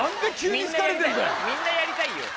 みんなやりたいよ。